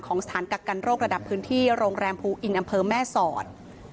สถานกักกันโรคระดับพื้นที่โรงแรมภูอินอำเภอแม่สอด